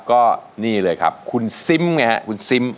ก็นี่เลยครับคุณซิมไงฮะคุณซิม